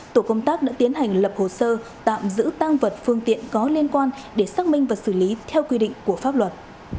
tổ công tác đã tiến hành lập hồ sơ tạm giữ tăng vật phương tiện có liên quan để xác minh và xử lý theo quy định của pháp luật